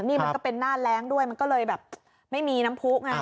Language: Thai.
นี่มันก็เป็นหน้าแรงด้วยมันก็เลยแบบไม่มีน้ำผู้ไง